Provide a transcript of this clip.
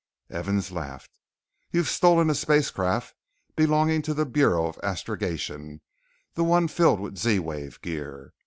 Evans laughed. "You've stolen a spacecraft belonging to the Bureau of Astrogation, the one filled with Z wave gear.